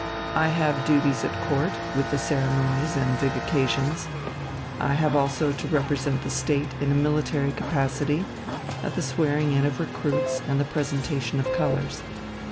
"I have duties at Court, with the ceremonies and big occasions. I have also to represent the State in a military capacity, at the swearing in of recruits and the presentation of colours.